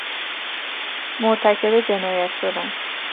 مرتکب جنایت شدن